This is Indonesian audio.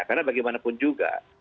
karena bagaimanapun juga